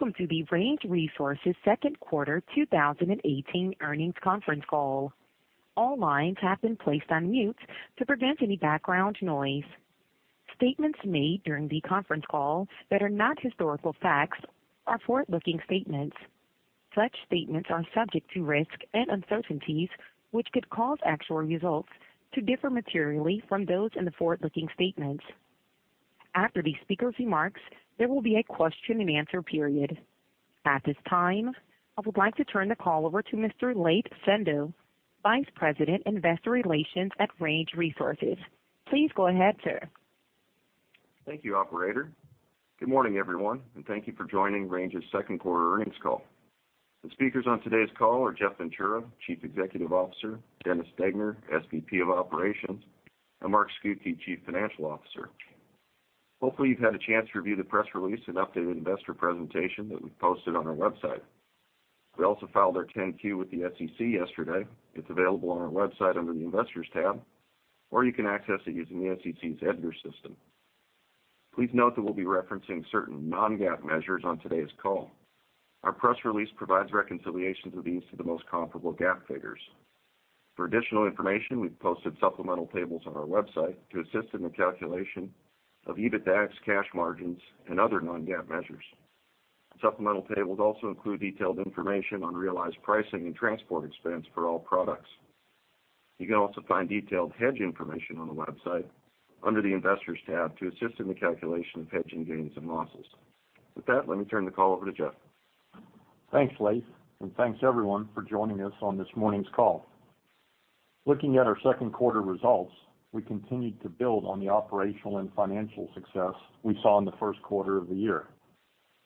Welcome to the Range Resources second quarter 2018 earnings conference call. All lines have been placed on mute to prevent any background noise. Statements made during the conference call that are not historical facts are forward-looking statements. Such statements are subject to risk and uncertainties, which could cause actual results to differ materially from those in the forward-looking statements. After the speaker's remarks, there will be a question and answer period. At this time, I would like to turn the call over to Mr. Laith Sando, Vice President, Investor Relations at Range Resources. Please go ahead, sir. Thank you, operator. Good morning, everyone, and thank you for joining Range's second quarter earnings call. The speakers on today's call are Jeff Ventura, Chief Executive Officer, Dennis Degner, SVP of Operations, and Mark Scucchi, Chief Financial Officer. Hopefully, you've had a chance to review the press release and updated investor presentation that we posted on our website. We also filed our 10-Q with the SEC yesterday. It's available on our website under the Investors tab, or you can access it using the SEC's EDGAR system. Please note that we'll be referencing certain non-GAAP measures on today's call. Our press release provides reconciliations of these to the most comparable GAAP figures. For additional information, we've posted supplemental tables on our website to assist in the calculation of EBITDAX, cash margins, and other non-GAAP measures. The supplemental tables also include detailed information on realized pricing and transport expense for all products. You can also find detailed hedge information on the website under the Investors tab to assist in the calculation of hedging gains and losses. With that, let me turn the call over to Jeff. Thanks, Laith, and thanks everyone for joining us on this morning's call. Looking at our second quarter results, we continued to build on the operational and financial success we saw in the first quarter of the year.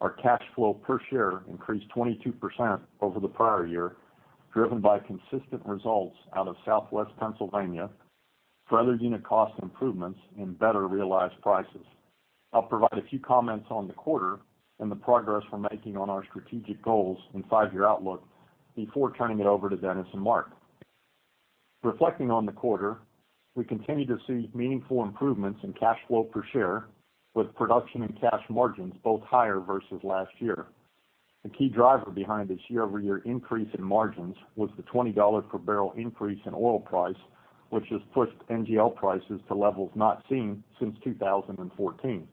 Our cash flow per share increased 22% over the prior year, driven by consistent results out of Southwest Pennsylvania, further unit cost improvements, and better realized prices. I'll provide a few comments on the quarter and the progress we're making on our strategic goals and five-year outlook before turning it over to Dennis and Mark. Reflecting on the quarter, we continue to see meaningful improvements in cash flow per share with production and cash margins both higher versus last year. The key driver behind this year-over-year increase in margins was the $20 per barrel increase in oil price, which has pushed NGL prices to levels not seen since 2014.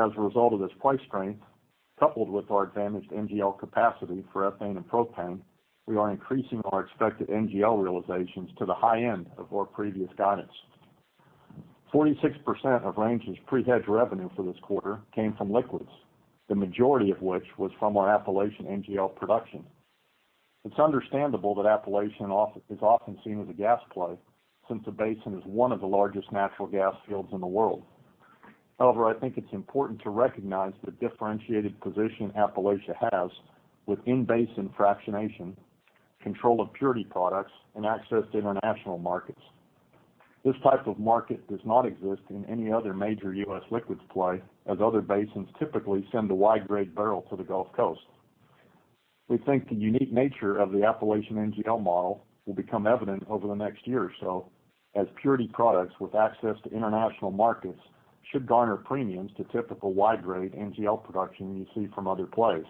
As a result of this price strength, coupled with our advantaged NGL capacity for ethane and propane, we are increasing our expected NGL realizations to the high end of our previous guidance. 46% of Range's pre-hedge revenue for this quarter came from liquids, the majority of which was from our Appalachian NGL production. It's understandable that Appalachian is often seen as a gas play since the basin is one of the largest natural gas fields in the world. However, I think it's important to recognize the differentiated position Appalachia has with in-basin fractionation, control of purity products, and access to international markets. This type of market does not exist in any other major U.S. liquids play, as other basins typically send a wide-grade barrel to the Gulf Coast. We think the unique nature of the Appalachian NGL model will become evident over the next year or so as purity products with access to international markets should garner premiums to typical wide-grade NGL production you see from other plays.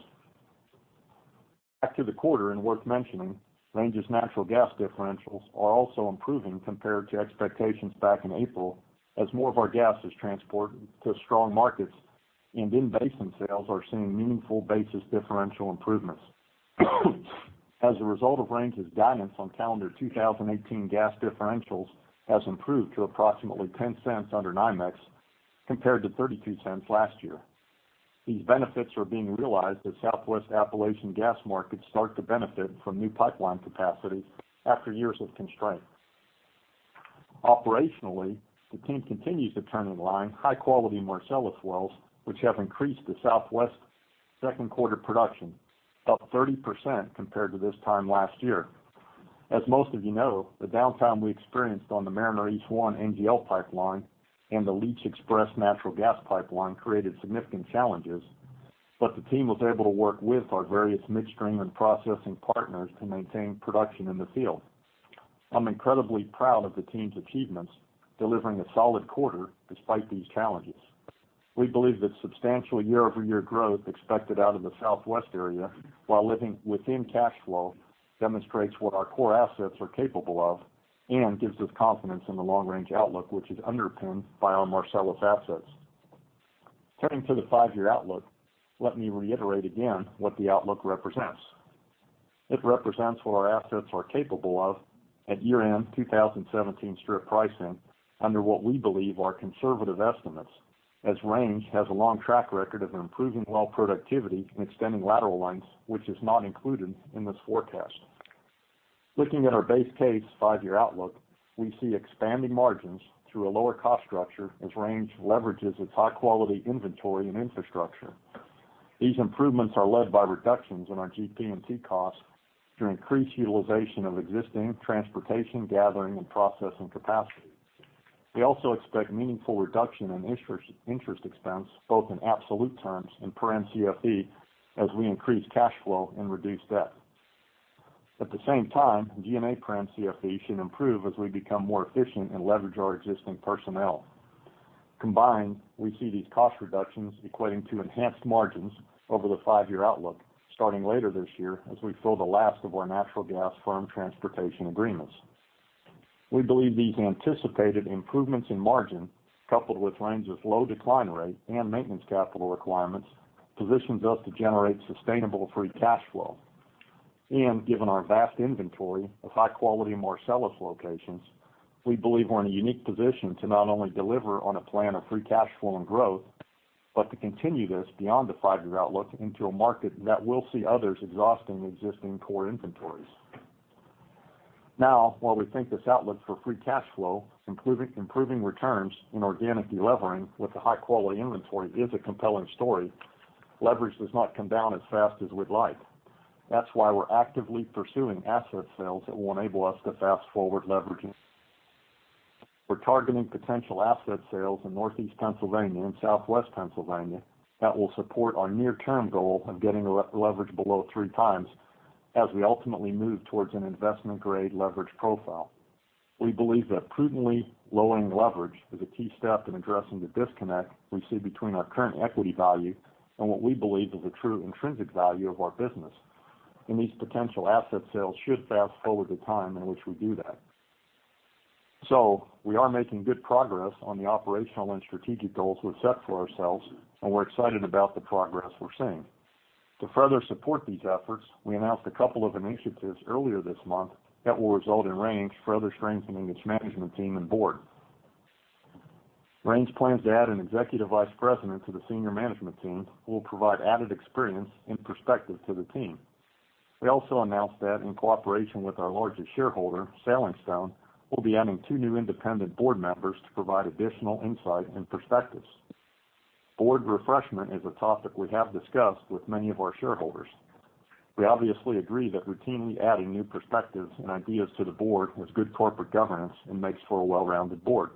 Back to the quarter, worth mentioning, Range's natural gas differentials are also improving compared to expectations back in April as more of our gas is transported to strong markets, and in-basin sales are seeing meaningful basis differential improvements. A result of Range's guidance on calendar 2018 gas differentials has improved to approximately $0.10 under NYMEX compared to $0.32 last year. These benefits are being realized as Southwest Appalachian gas markets start to benefit from new pipeline capacity after years of constraint. Operationally, the team continues to turn in line high-quality Marcellus wells, which have increased the Southwest second quarter production, up 30% compared to this time last year. As most of you know, the downtime we experienced on the Mariner East 1 NGL pipeline and the Leach XPress natural gas pipeline created significant challenges, but the team was able to work with our various midstream and processing partners to maintain production in the field. I'm incredibly proud of the team's achievements, delivering a solid quarter despite these challenges. We believe the substantial year-over-year growth expected out of the Southwest area while living within cash flow demonstrates what our core assets are capable of and gives us confidence in the long-range outlook, which is underpinned by our Marcellus assets. Turning to the five-year outlook, let me reiterate again what the outlook represents. It represents what our assets are capable of at year-end 2017 strip pricing under what we believe are conservative estimates as Range has a long track record of improving well productivity and extending lateral lengths, which is not included in this forecast. Looking at our base case five-year outlook, we see expanding margins through a lower cost structure as Range leverages its high-quality inventory and infrastructure. These improvements are led by reductions in our GP&E costs through increased utilization of existing transportation, gathering, and processing capacity. We also expect meaningful reduction in interest expense, both in absolute terms and per MCFE, as we increase cash flow and reduce debt. At the same time, G&A per MCFE should improve as we become more efficient and leverage our existing personnel. Combined, we see these cost reductions equating to enhanced margins over the five-year outlook, starting later this year as we fill the last of our natural gas firm transportation agreements. We believe these anticipated improvements in margin, coupled with Range's low decline rate and maintenance capital requirements, positions us to generate sustainable free cash flow. Given our vast inventory of high-quality Marcellus locations, we believe we're in a unique position to not only deliver on a plan of free cash flow and growth, but to continue this beyond the five-year outlook into a market that will see others exhausting existing core inventories. While we think this outlook for free cash flow, improving returns, and organic de-levering with a high-quality inventory is a compelling story, leverage does not come down as fast as we'd like. That's why we're actively pursuing asset sales that will enable us to fast-forward leverage. We're targeting potential asset sales in Northeast Pennsylvania and Southwest Pennsylvania that will support our near-term goal of getting leverage below three times as we ultimately move towards an investment-grade leverage profile. We believe that prudently lowering leverage is a key step in addressing the disconnect we see between our current equity value and what we believe is the true intrinsic value of our business. These potential asset sales should fast-forward the time in which we do that. We are making good progress on the operational and strategic goals we've set for ourselves. We're excited about the progress we're seeing. To further support these efforts, we announced a couple of initiatives earlier this month that will result in Range further strengthening its management team and board. Range plans to add an Executive Vice President to the senior management team, who will provide added experience and perspective to the team. We also announced that in cooperation with our largest shareholder, SailingStone, we'll be adding two new independent board members to provide additional insight and perspectives. Board refreshment is a topic we have discussed with many of our shareholders. We obviously agree that routinely adding new perspectives and ideas to the board is good corporate governance and makes for a well-rounded board.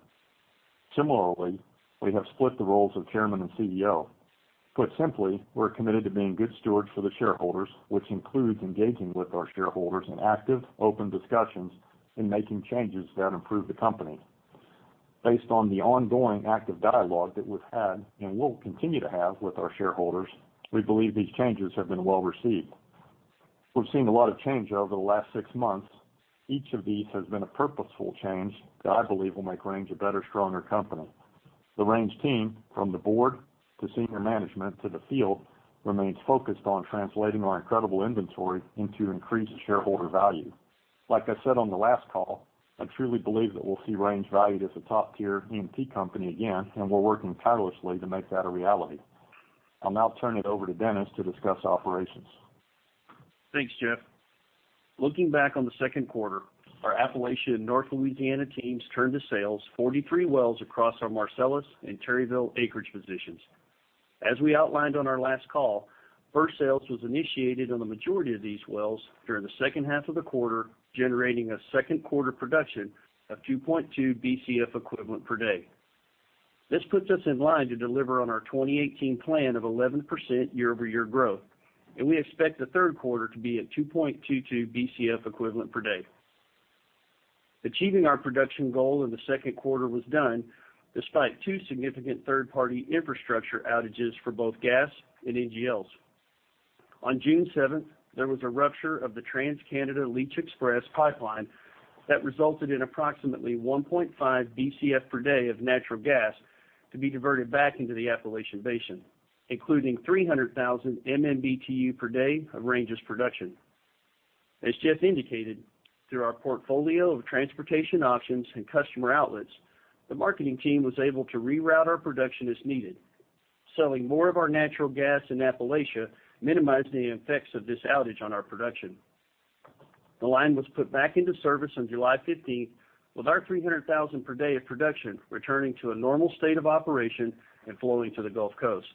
Similarly, we have split the roles of Chairman and CEO. Put simply, we're committed to being good stewards for the shareholders, which includes engaging with our shareholders in active, open discussions and making changes that improve the company. Based on the ongoing active dialogue that we've had and will continue to have with our shareholders, we believe these changes have been well-received. We've seen a lot of change over the last six months. Each of these has been a purposeful change that I believe will make Range a better, stronger company. The Range team, from the board to senior management to the field, remains focused on translating our incredible inventory into increased shareholder value. Like I said on the last call, I truly believe that we'll see Range valued as a top-tier E&P company again. We're working tirelessly to make that a reality. I'll now turn it over to Dennis to discuss operations. Thanks, Jeff. Looking back on the second quarter, our Appalachian North Louisiana teams turned to sales 43 wells across our Marcellus and Terryville acreage positions. As we outlined on our last call, first sales was initiated on the majority of these wells during the second half of the quarter, generating a second quarter production of 2.2 BCF equivalent per day. This puts us in line to deliver on our 2018 plan of 11% year-over-year growth. We expect the third quarter to be at 2.22 BCF equivalent per day. Achieving our production goal in the second quarter was done despite two significant third-party infrastructure outages for both gas and NGLs. On June 7th, there was a rupture of the TransCanada Leach XPress pipeline that resulted in approximately 1.5 BCF per day of natural gas to be diverted back into the Appalachian Basin, including 300,000 MMBTU per day of Range's production. As Jeff indicated, through our portfolio of transportation options and customer outlets, the marketing team was able to reroute our production as needed, selling more of our natural gas in Appalachia, minimizing the effects of this outage on our production. The line was put back into service on July 15th with our 300,000 per day of production returning to a normal state of operation and flowing to the Gulf Coast.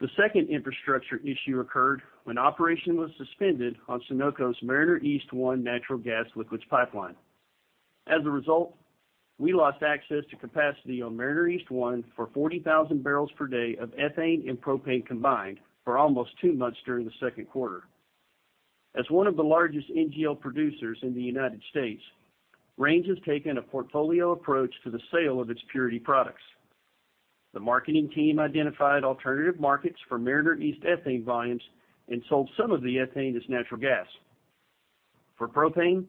The second infrastructure issue occurred when operation was suspended on Sunoco's Mariner East 1 natural gas liquids pipeline. As a result, we lost access to capacity on Mariner East 1 for 40,000 barrels per day of ethane and propane combined for almost two months during the second quarter. As one of the largest NGL producers in the U.S., Range has taken a portfolio approach to the sale of its purity products. The marketing team identified alternative markets for Mariner East ethane volumes and sold some of the ethane as natural gas. For propane,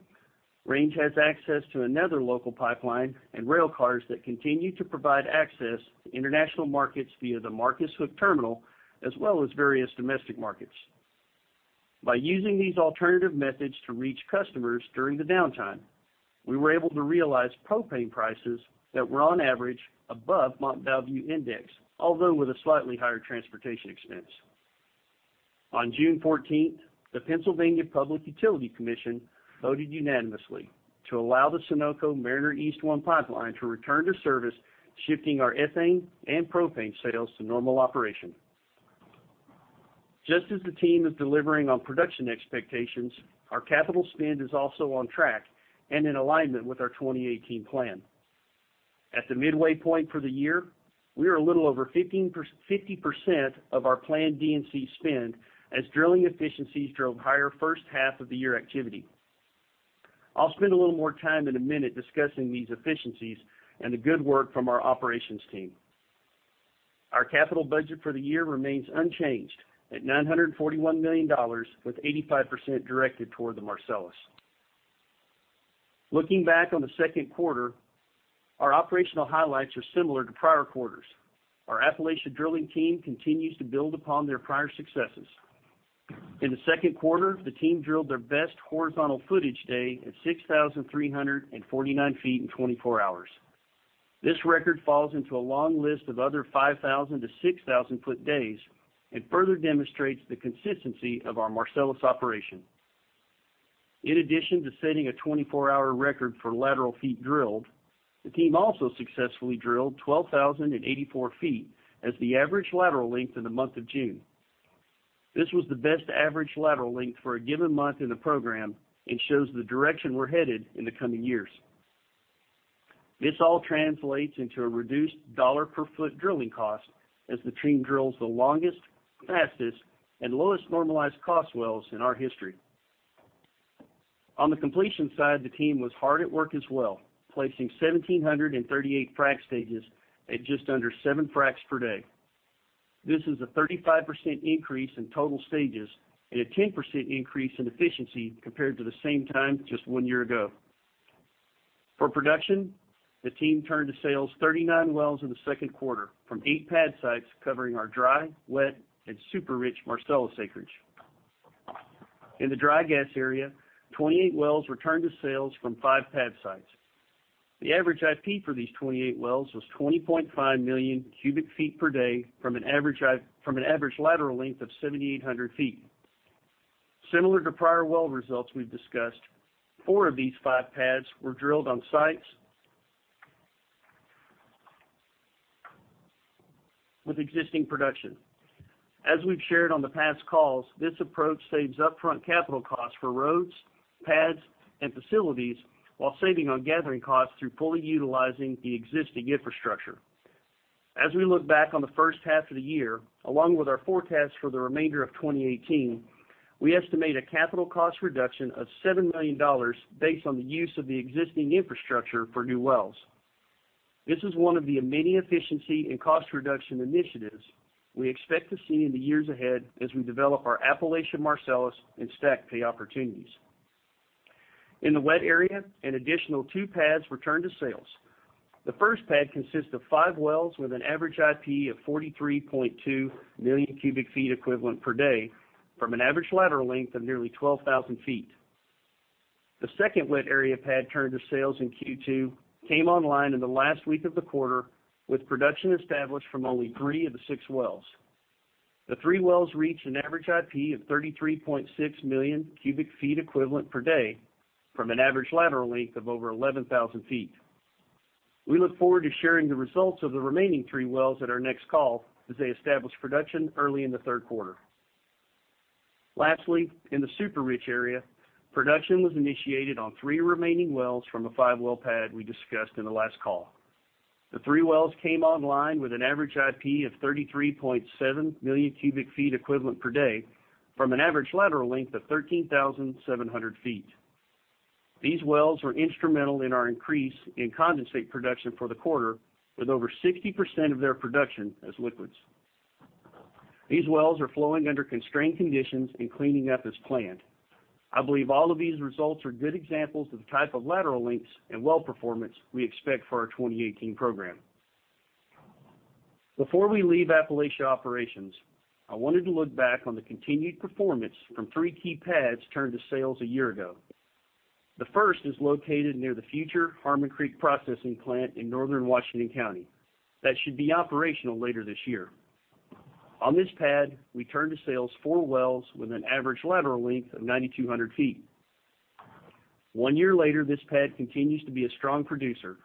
Range has access to another local pipeline and rail cars that continue to provide access to international markets via the Marcus Hook Terminal, as well as various domestic markets. By using these alternative methods to reach customers during the downtime, we were able to realize propane prices that were on average above Mont Belvieu index, although with a slightly higher transportation expense. On June 14th, the Pennsylvania Public Utility Commission voted unanimously to allow the Sunoco Mariner East 1 pipeline to return to service, shifting our ethane and propane sales to normal operation. Just as the team is delivering on production expectations, our capital spend is also on track and in alignment with our 2018 plan. At the midway point for the year, we are a little over 50% of our planned D&C spend as drilling efficiencies drove higher first half of the year activity. I'll spend a little more time in a minute discussing these efficiencies and the good work from our operations team. Our capital budget for the year remains unchanged at $941 million, with 85% directed toward the Marcellus. Looking back on the second quarter, our operational highlights are similar to prior quarters. Our Appalachian drilling team continues to build upon their prior successes. In the second quarter, the team drilled their best horizontal footage day at 6,349 feet in 24 hours. This record falls into a long list of other 5,000 to 6,000-foot days and further demonstrates the consistency of our Marcellus operation. In addition to setting a 24-hour record for lateral feet drilled, the team also successfully drilled 12,084 feet as the average lateral length in the month of June. This was the best average lateral length for a given month in the program and shows the direction we're headed in the coming years. This all translates into a reduced dollar-per-foot drilling cost as the team drills the longest, fastest, and lowest normalized cost wells in our history. On the completion side, the team was hard at work as well, placing 1,738 frac stages at just under seven fracs per day. This is a 35% increase in total stages and a 10% increase in efficiency compared to the same time just one year ago. For production, the team turned to sales 39 wells in the second quarter from eight pad sites covering our dry, wet, and super-rich Marcellus acreage. In the dry gas area, 28 wells returned to sales from five pad sites. The average IP for these 28 wells was 20.5 million cubic feet per day from an average lateral length of 7,800 feet. Similar to prior well results we've discussed, four of these five pads were drilled on sites with existing production. As we've shared on the past calls, this approach saves upfront capital costs for roads, pads, and facilities while saving on gathering costs through fully utilizing the existing infrastructure. As we look back on the first half of the year, along with our forecast for the remainder of 2018, we estimate a capital cost reduction of $7 million based on the use of the existing infrastructure for new wells. This is one of the many efficiency and cost reduction initiatives we expect to see in the years ahead as we develop our Appalachian Marcellus and stack pay opportunities. In the wet area, an additional two pads were turned to sales. The first pad consists of five wells with an average IP of 43.2 million cubic feet equivalent per day from an average lateral length of nearly 12,000 feet. The second wet area pad turned to sales in Q2 came online in the last week of the quarter with production established from only three of the six wells. The three wells reached an average IP of 33.6 million cubic feet equivalent per day from an average lateral length of over 11,000 feet. We look forward to sharing the results of the remaining three wells at our next call as they establish production early in the third quarter. Lastly, in the super-rich area, production was initiated on three remaining wells from a five-well pad we discussed in the last call. The three wells came online with an average IP of 33.7 million cubic feet equivalent per day from an average lateral length of 13,700 feet. These wells were instrumental in our increase in condensate production for the quarter, with over 60% of their production as liquids. These wells are flowing under constrained conditions and cleaning up as planned. I believe all of these results are good examples of the type of lateral lengths and well performance we expect for our 2018 program. Before we leave Appalachia operations, I wanted to look back on the continued performance from three key pads turned to sales a year ago. The first is located near the future Harmon Creek processing plant in northern Washington County that should be operational later this year. On this pad, we turn to sales four wells with an average lateral length of 9,200 feet. One year later, this pad continues to be a strong producer,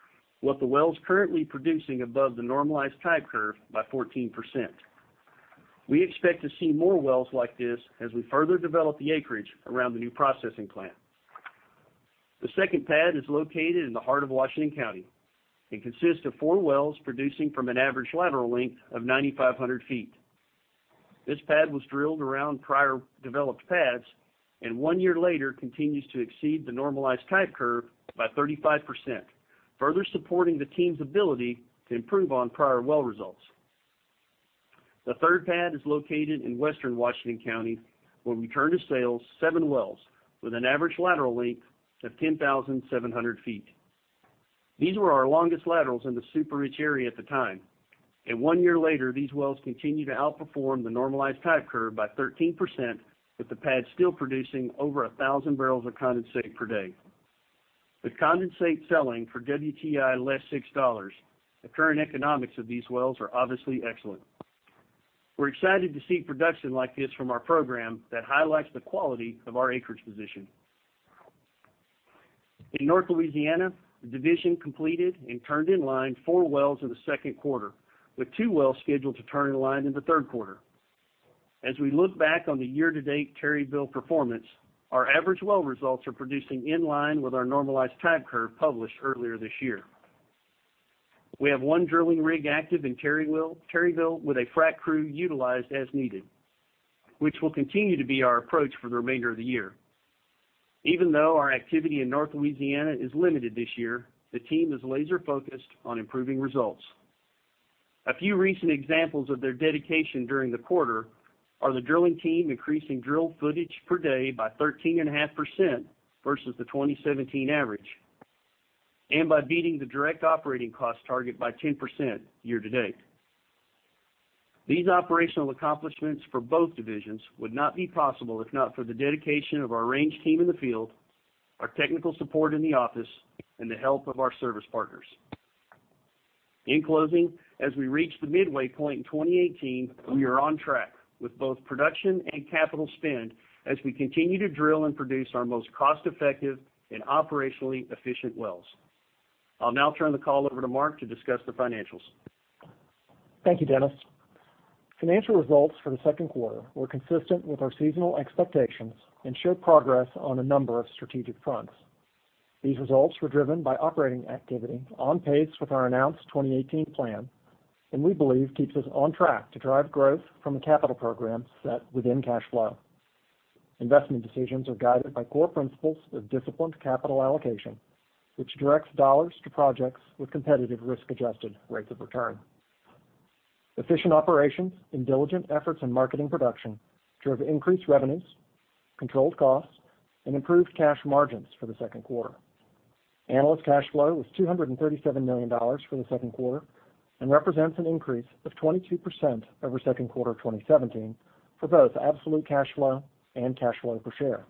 with the wells currently producing above the normalized type curve by 14%. We expect to see more wells like this as we further develop the acreage around the new processing plant. The second pad is located in the heart of Washington County. It consists of four wells producing from an average lateral length of 9,500 feet. This pad was drilled around prior developed pads, one year later, continues to exceed the normalized type curve by 35%, further supporting the team's ability to improve on prior well results. The third pad is located in western Washington County, where we turn to sales seven wells with an average lateral length of 10,700 feet. These were our longest laterals in the super-rich area at the time. One year later, these wells continue to outperform the normalized type curve by 13%, with the pad still producing over 1,000 barrels of condensate per day. With condensate selling for WTI less $6, the current economics of these wells are obviously excellent. We're excited to see production like this from our program that highlights the quality of our acreage position. In North Louisiana, the division completed and turned in line four wells in the second quarter, with two wells scheduled to turn in line in the third quarter. As we look back on the year-to-date Terryville performance, our average well results are producing in line with our normalized type curve published earlier this year. We have one drilling rig active in Terryville with a frack crew utilized as needed, which will continue to be our approach for the remainder of the year. Even though our activity in North Louisiana is limited this year, the team is laser-focused on improving results. A few recent examples of their dedication during the quarter are the drilling team increasing drill footage per day by 13.5% versus the 2017 average, by beating the direct operating cost target by 10% year-to-date. These operational accomplishments for both divisions would not be possible if not for the dedication of our Range team in the field, our technical support in the office, and the help of our service partners. In closing, as we reach the midway point in 2018, we are on track with both production and capital spend as we continue to drill and produce our most cost-effective and operationally efficient wells. I'll now turn the call over to Mark to discuss the financials. Thank you, Dennis. Financial results for the second quarter were consistent with our seasonal expectations and show progress on a number of strategic fronts. These results were driven by operating activity on pace with our announced 2018 plan, and we believe keeps us on track to drive growth from the capital program set within cash flow. Investment decisions are guided by core principles of disciplined capital allocation, which directs dollars to projects with competitive risk-adjusted rates of return. Efficient operations and diligent efforts in marketing production drove increased revenues, controlled costs, and improved cash margins for the second quarter. Analyst cash flow was $237 million for the second quarter and represents an increase of 22% over second quarter 2017 for both absolute cash flow and cash flow per share.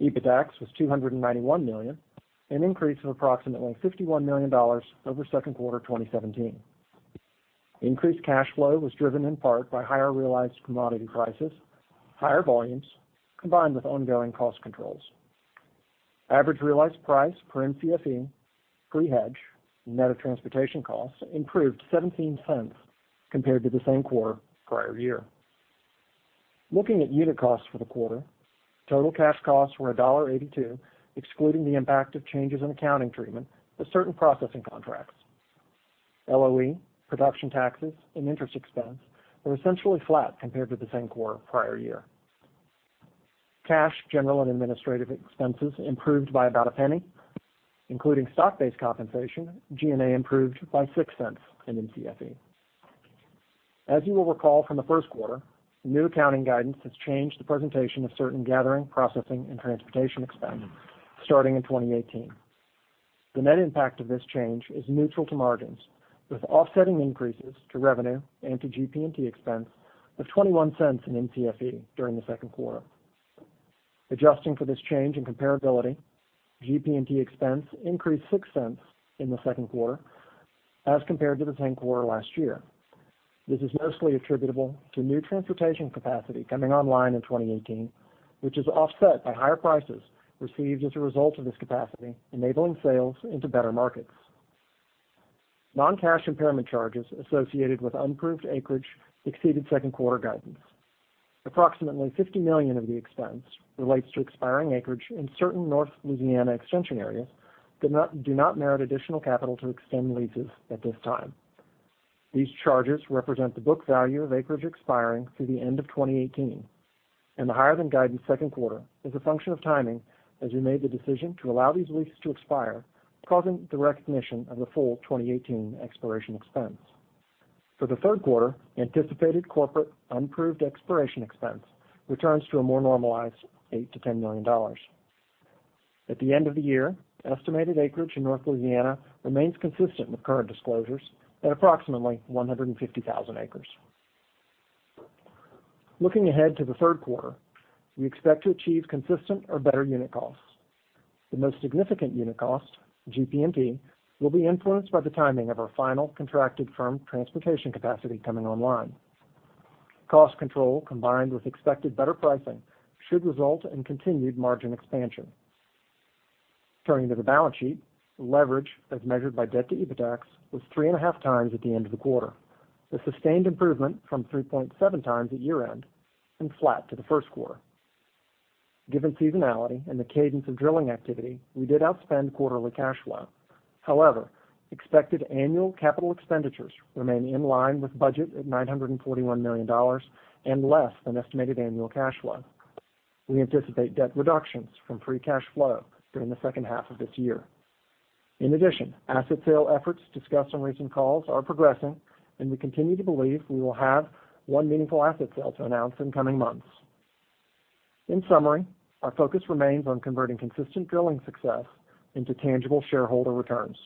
EBITDAX was $291 million, an increase of approximately $51 million over second quarter 2017. Increased cash flow was driven in part by higher realized commodity prices, higher volumes, combined with ongoing cost controls. Average realized price per MCFE, pre-hedge, net of transportation costs, improved $0.17 compared to the same quarter prior year. Looking at unit costs for the quarter, total cash costs were $1.82, excluding the impact of changes in accounting treatment of certain processing contracts. LOE, production taxes, and interest expense were essentially flat compared to the same quarter prior year. Cash, general, and administrative expenses improved by about $0.01. Including stock-based compensation, G&A improved by $0.06 in MCFE. As you will recall from the first quarter, new accounting guidance has changed the presentation of certain gathering, processing, and transportation expense starting in 2018. The net impact of this change is neutral to margins, with offsetting increases to revenue and to GP&E expense of $0.21 in MCFE during the second quarter. Adjusting for this change in comparability, GP&E expense increased $0.06 in the second quarter as compared to the same quarter last year. This is mostly attributable to new transportation capacity coming online in 2018, which is offset by higher prices received as a result of this capacity, enabling sales into better markets. Non-cash impairment charges associated with unproved acreage exceeded second-quarter guidance. Approximately $50 million of the expense relates to expiring acreage in certain North Louisiana extension areas that do not merit additional capital to extend leases at this time. These charges represent the book value of acreage expiring through the end of 2018, and the higher-than-guidance second quarter is a function of timing as we made the decision to allow these leases to expire, causing the recognition of the full 2018 exploration expense. For the third quarter, anticipated corporate unproved exploration expense returns to a more normalized $8 million to $10 million. At the end of the year, estimated acreage in North Louisiana remains consistent with current disclosures at approximately 150,000 acres. Looking ahead to the third quarter, we expect to achieve consistent or better unit costs. The most significant unit cost, GP&E, will be influenced by the timing of our final contracted firm transportation capacity coming online. Cost control, combined with expected better pricing, should result in continued margin expansion. Turning to the balance sheet, leverage, as measured by debt to EBITDAX, was 3.5 times at the end of the quarter, a sustained improvement from 3.7 times at year-end and flat to the first quarter. Given seasonality and the cadence of drilling activity, we did outspend quarterly cash flow. However, expected annual capital expenditures remain in line with budget at $941 million and less than estimated annual cash flow. We anticipate debt reductions from free cash flow during the second half of this year. In addition, asset sale efforts discussed on recent calls are progressing, and we continue to believe we will have one meaningful asset sale to announce in coming months. In summary, our focus remains on converting consistent drilling success into tangible shareholder returns.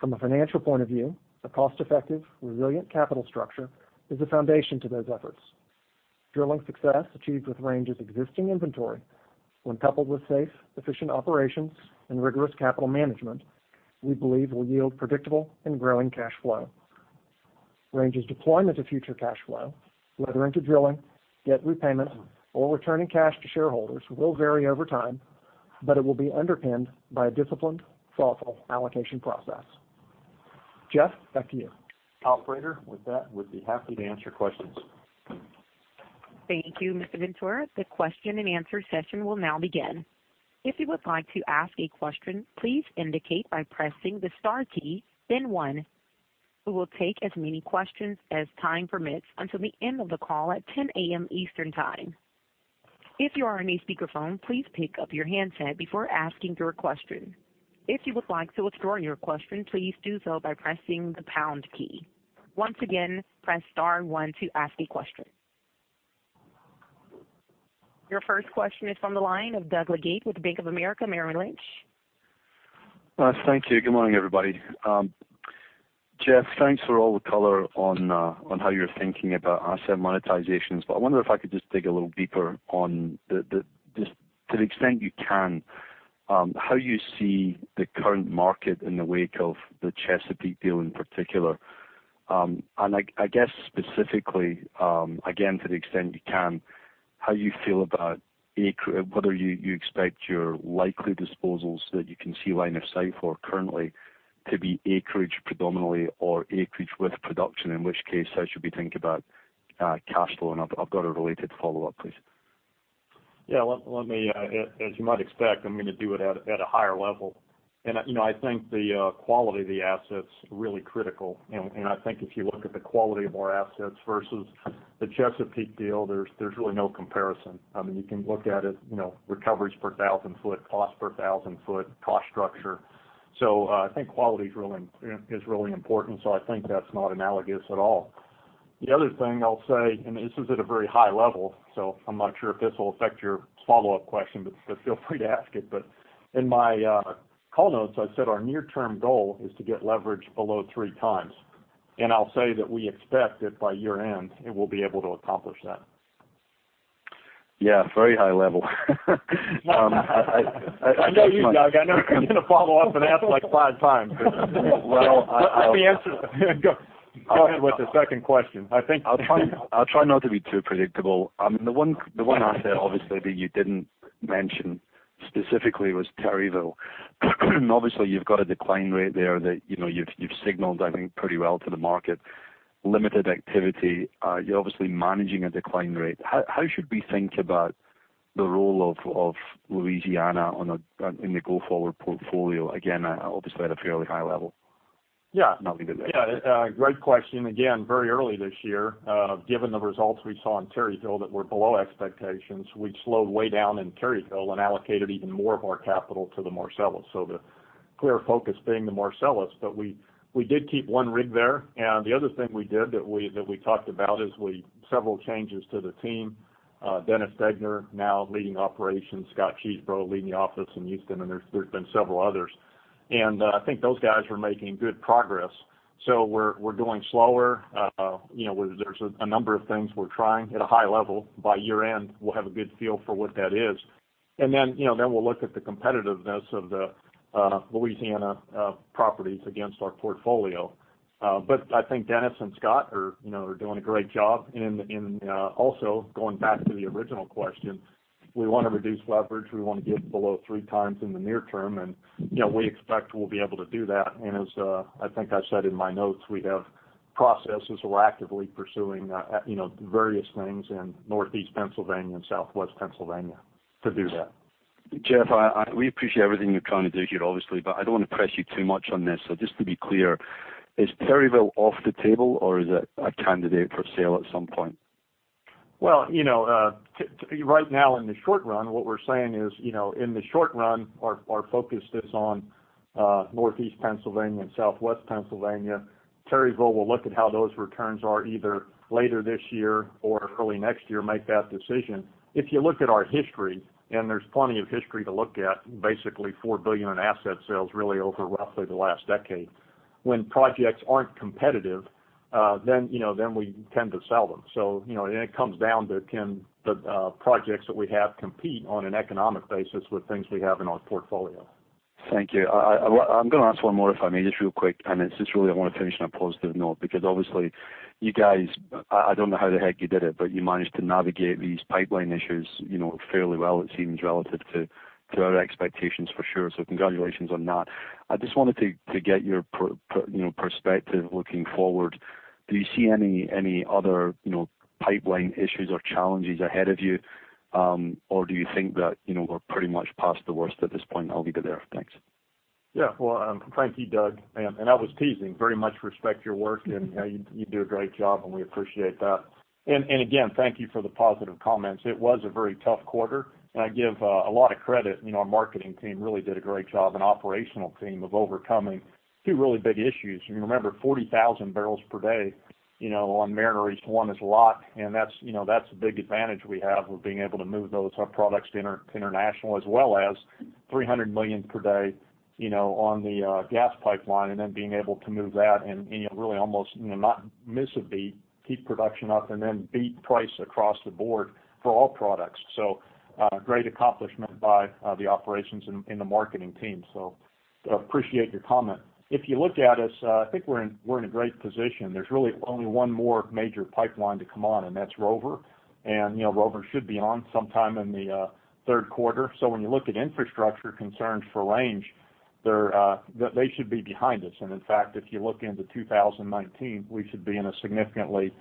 From a financial point of view, a cost-effective, resilient capital structure is the foundation to those efforts. Drilling success achieved with Range's existing inventory, when coupled with safe, efficient operations and rigorous capital management, we believe will yield predictable and growing cash flow. Range's deployment of future cash flow, whether into drilling, debt repayment, or returning cash to shareholders, will vary over time, but it will be underpinned by a disciplined, thoughtful allocation process. Jeff, back to you. Operator, with that, we'd be happy to answer questions. Thank you, Mr. Ventura. The question-and-answer session will now begin. If you would like to ask a question, please indicate by pressing the star key, then one. We will take as many questions as time permits until the end of the call at 10:00 A.M. Eastern Time. If you are on a speakerphone, please pick up your handset before asking your question. If you would like to withdraw your question, please do so by pressing the pound key. Once again, press star one to ask a question. Your first question is from the line of Douglas Leggate with Bank of America, Merrill Lynch. Thank you. Good morning, everybody. Jeff, thanks for all the color on how you're thinking about asset monetizations. I wonder if I could just dig a little deeper on just to the extent you can, how you see the current market in the wake of the Chesapeake deal in particular. I guess specifically, again, to the extent you can, how you feel about whether you expect your likely disposals that you can see line of sight for currently to be acreage predominantly or acreage with production, in which case I should be thinking about cash flow, and I've got a related follow-up, please. Yeah. As you might expect, I'm going to do it at a higher level. I think the quality of the asset's really critical. I think if you look at the quality of our assets versus the Chesapeake deal, there's really no comparison. You can look at it, recoveries per 1,000 foot, cost per 1,000 foot, cost structure. I think quality is really important. I think that's not analogous at all. The other thing I'll say, and this is at a very high level, so I'm not sure if this will affect your follow-up question, but feel free to ask it. In my call notes, I said our near-term goal is to get leverage below three times. I'll say that we expect it by year-end, and we'll be able to accomplish that. Yeah, very high level. I know you, Doug. I know you're going to follow up and ask like five times. Well. Let me answer. Go ahead with the second question. I'll try not to be too predictable. The one asset obviously that you didn't mention specifically was Terryville. Obviously, you've got a decline rate there that you've signaled, I think, pretty well to the market. Limited activity. You're obviously managing a decline rate. How should we think about the role of Louisiana in the go-forward portfolio? Again, obviously at a fairly high level. Yeah. I'll leave it there. Yeah. Great question. Again, very early this year. Given the results we saw in Terryville that were below expectations, we slowed way down in Terryville and allocated even more of our capital to the Marcellus. The clear focus being the Marcellus, but we did keep one rig there. The other thing we did that we talked about is several changes to the team. Dennis Degner now leading operations, Scott Chesebro leading the office in Houston, and there's been several others. I think those guys are making good progress. We're going slower. There's a number of things we're trying at a high level. By year-end, we'll have a good feel for what that is. Then we'll look at the competitiveness of the Louisiana properties against our portfolio. I think Dennis and Scott are doing a great job. Also going back to the original question, we want to reduce leverage. We want to get below 3 times in the near term, and we expect we'll be able to do that. As I think I said in my notes, we have processes. We're actively pursuing various things in Northeast Pennsylvania and Southwest Pennsylvania to do that. Jeff, we appreciate everything you're trying to do here, obviously, I don't want to press you too much on this. Just to be clear, is Terryville off the table or is it a candidate for sale at some point? Right now in the short run, what we're saying is, in the short run, our focus is on Northeast Pennsylvania and Southwest Pennsylvania. Terryville will look at how those returns are either later this year or early next year, make that decision. If you look at our history, there's plenty of history to look at, basically $4 billion in asset sales really over roughly the last decade. When projects aren't competitive, then we tend to sell them. It comes down to can the projects that we have compete on an economic basis with things we have in our portfolio. Thank you. I'm going to ask one more, if I may, just real quick, it's just really I want to finish on a positive note because obviously you guys, I don't know how the heck you did it, you managed to navigate these pipeline issues fairly well, it seems, relative to our expectations for sure. Congratulations on that. I just wanted to get your perspective looking forward. Do you see any other pipeline issues or challenges ahead of you? Or do you think that we're pretty much past the worst at this point? I'll leave it there. Thanks. Well, thank you, Doug. I was teasing. Very much respect your work, you do a great job, and we appreciate that. Again, thank you for the positive comments. It was a very tough quarter, I give a lot of credit. Our marketing team really did a great job and operational team of overcoming two really big issues. Remember, 40,000 barrels per day on Mariner East 1 is a lot. That's a big advantage we have of being able to move those products to international as well as $300 million per day on the gas pipeline and then being able to move that and really almost not miss a beat, keep production up, and beat price across the board for all products. Great accomplishment by the operations and the marketing team. Appreciate your comment. If you look at us, I think we're in a great position. There's really only one more major pipeline to come on, that's Rover. Rover should be on sometime in the third quarter. When you look at infrastructure concerns for Range, they should be behind us. In fact, if you look into 2019, we should be in a significantly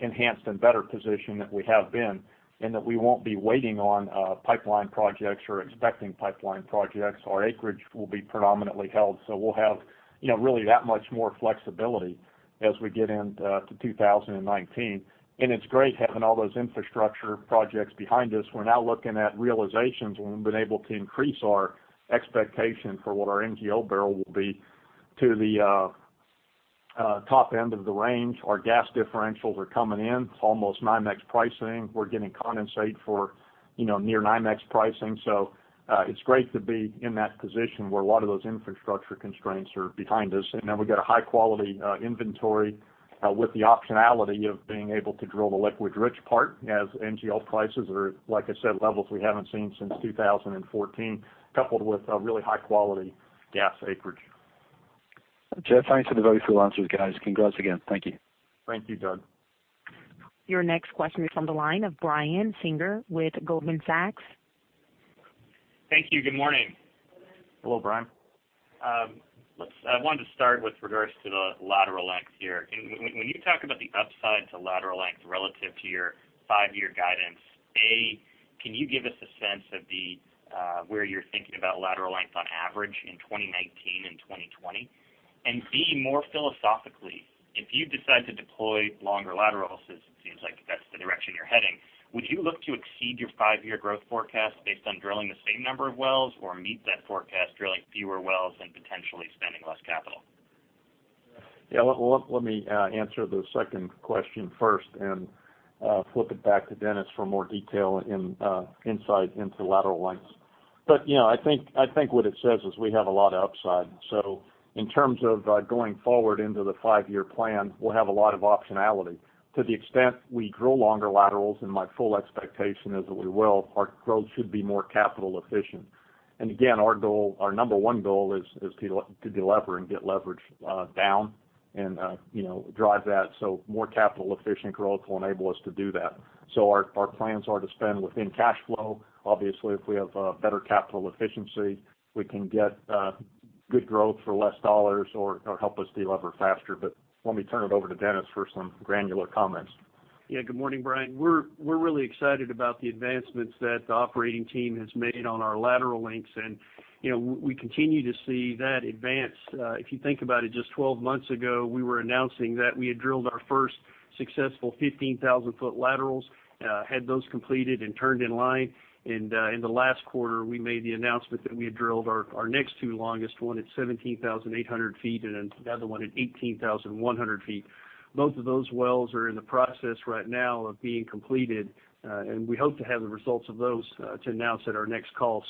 enhanced and better position than we have been, in that we won't be waiting on pipeline projects or expecting pipeline projects. Our acreage will be predominantly held, we'll have really that much more flexibility as we get into 2019. It's great having all those infrastructure projects behind us. We're now looking at realizations where we've been able to increase our expectation for what our NGL barrel will be to the top end of the range. Our gas differentials are coming in, almost NYMEX pricing. We're getting condensate for near NYMEX pricing. It's great to be in that position where a lot of those infrastructure constraints are behind us. We've got a high-quality inventory with the optionality of being able to drill the liquids-rich part, as NGL prices are, like I said, levels we haven't seen since 2014, coupled with really high-quality gas acreage. Jeff, thanks for the very full answers, guys. Congrats again. Thank you. Thank you, Doug. Your next question is on the line of Brian Singer with Goldman Sachs. Thank you. Good morning. Hello, Brian. I wanted to start with regards to the lateral length here. When you talk about the upside to lateral length relative to your five-year guidance, A, can you give us a sense of where you're thinking about lateral length on average in 2019 and 2020? B, more philosophically, if you decide to deploy longer laterals, since it seems like that's the direction you're heading, would you look to exceed your five-year growth forecast based on drilling the same number of wells or meet that forecast drilling fewer wells and potentially spending less capital? Yeah. Let me answer the second question first and flip it back to Dennis for more detail and insight into lateral lengths. I think what it says is we have a lot of upside. In terms of going forward into the five-year plan, we'll have a lot of optionality. To the extent we drill longer laterals, and my full expectation is that we will, our growth should be more capital efficient. Again, our number one goal is to delever and get leverage down and drive that. More capital efficient growth will enable us to do that. Our plans are to spend within cash flow. Obviously, if we have better capital efficiency, we can get good growth for less dollars or help us delever faster. Let me turn it over to Dennis for some granular comments. Yeah. Good morning, Brian. We're really excited about the advancements that the operating team has made on our lateral lengths, and we continue to see that advance. If you think about it, just 12 months ago, we were announcing that we had drilled our first successful 15,000-foot laterals, had those completed and turned in line. In the last quarter, we made the announcement that we had drilled our next two longest, one at 17,800 feet and another one at 18,100 feet. Both of those wells are in the process right now of being completed. We hope to have the results of those to announce at our next call.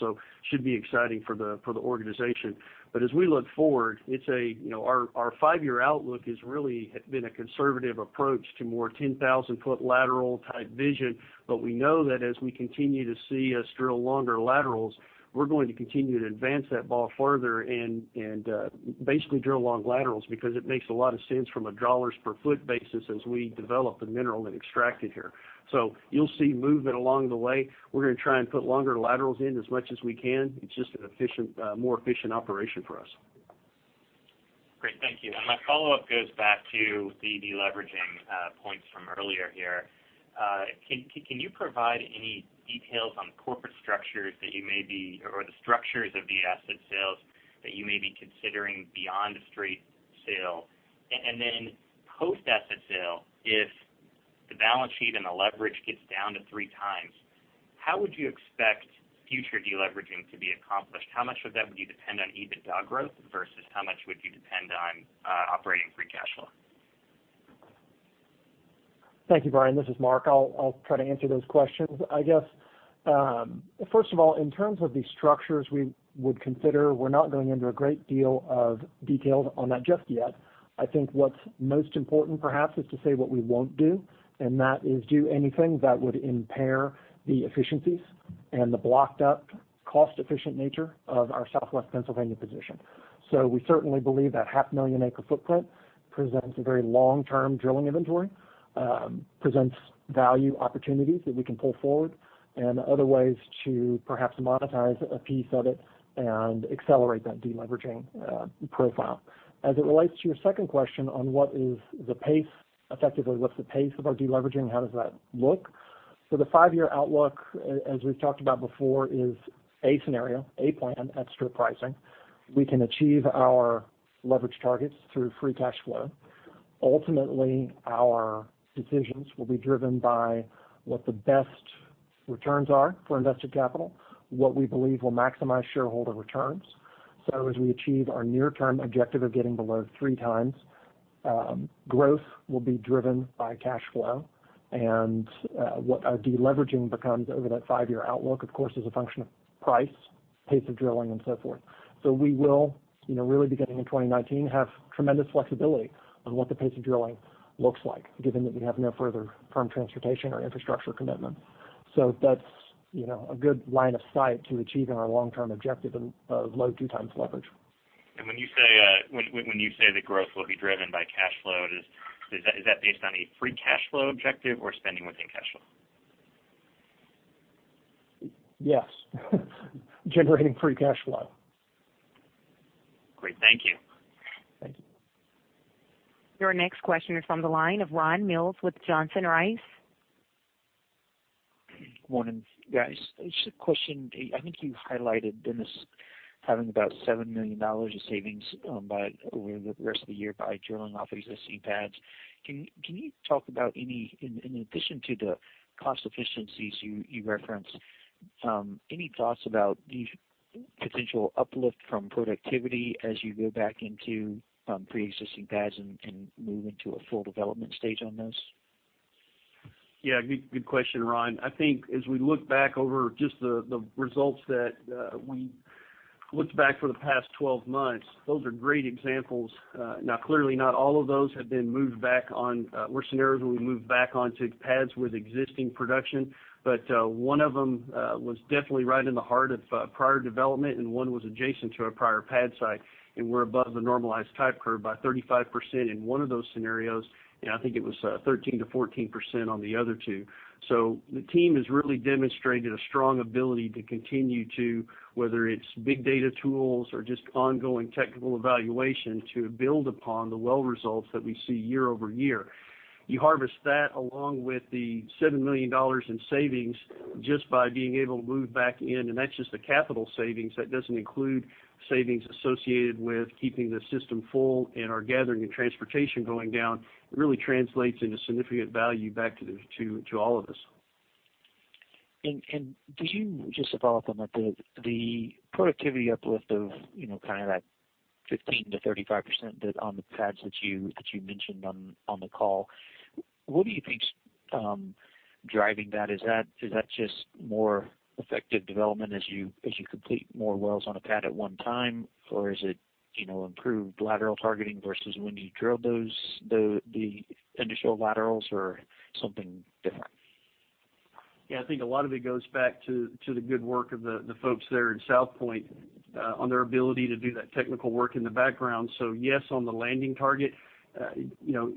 Should be exciting for the organization. As we look forward, our five-year outlook has really been a conservative approach to more 10,000-foot lateral type vision. We know that as we continue to see us drill longer laterals, we're going to continue to advance that ball further and basically drill long laterals because it makes a lot of sense from a dollars per foot basis as we develop the mineral and extract it here. You'll see movement along the way. We're going to try and put longer laterals in as much as we can. It's just a more efficient operation for us. Great. Thank you. My follow-up goes back to the deleveraging points from earlier here. Can you provide any details on corporate structures that you may be, or the structures of the asset sales that you may be considering beyond a straight sale? Then post-asset sale, if the balance sheet and the leverage gets down to three times, how would you expect future deleveraging to be accomplished? How much of that would you depend on EBITDA growth versus how much would you depend on operating free cash flow? Thank you, Brian. This is Mark. I'll try to answer those questions. I guess, first of all, in terms of the structures we would consider, we're not going into a great deal of detail on that just yet. I think what's most important perhaps is to say what we won't do, that is do anything that would impair the efficiencies and the blocked up cost-efficient nature of our Southwest Pennsylvania position. We certainly believe that half-million-acre footprint presents a very long-term drilling inventory, presents value opportunities that we can pull forward, and other ways to perhaps monetize a piece of it and accelerate that deleveraging profile. As it relates to your second question on effectively what's the pace of our deleveraging? How does that look? The five-year outlook, as we've talked about before, is a scenario, a plan at strip pricing. We can achieve our leverage targets through free cash flow. Ultimately, our decisions will be driven by what the best returns are for invested capital, what we believe will maximize shareholder returns. As we achieve our near-term objective of getting below three times, growth will be driven by cash flow, and what our deleveraging becomes over that five-year outlook, of course, is a function of price, pace of drilling, and so forth. We will, really beginning in 2019, have tremendous flexibility on what the pace of drilling looks like, given that we have no further firm transportation or infrastructure commitment. That's a good line of sight to achieving our long-term objective of low two times leverage. When you say the growth will be driven by cash flow, is that based on a free cash flow objective or spending within cash flow? Yes. Generating free cash flow. Great. Thank you. Thank you. Your next question is from the line of Ron Mills with Johnson Rice. Morning, guys. Just a question. I think you highlighted, Dennis, having about $7 million of savings over the rest of the year by drilling off existing pads. Can you talk about, in addition to the cost efficiencies you referenced, any thoughts about the potential uplift from productivity as you go back into preexisting pads and move into a full development stage on those? Yeah, good question, Ron. I think as we look back over just the results that we looked back for the past 12 months, those are great examples. Clearly not all of those have been scenarios where we moved back onto pads with existing production. One of them was definitely right in the heart of prior development, and one was adjacent to a prior pad site, and we're above the normalized type curve by 35% in one of those scenarios, and I think it was 13%-14% on the other two. The team has really demonstrated a strong ability to continue to, whether it's big data tools or just ongoing technical evaluation, to build upon the well results that we see year-over-year. You harvest that along with the $7 million in savings just by being able to move back in, and that's just the capital savings. That doesn't include savings associated with keeping the system full and our gathering and transportation going down. It really translates into significant value back to all of us. Could you just follow up on that? The productivity uplift of that 15%-35% on the pads that you mentioned on the call, what do you think's driving that? Is that just more effective development as you complete more wells on a pad at one time? Is it improved lateral targeting versus when you drilled the initial laterals or something different? I think a lot of it goes back to the good work of the folks there in Southpointe on their ability to do that technical work in the background. Yes, on the landing target.